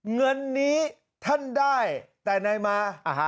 เงินนี้ท่านได้แต่นายมา